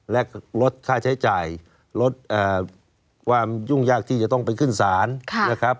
และลดค่าใช้จ่ายลดความยุ่งยากที่จะต้องไปขึ้นศาลนะครับ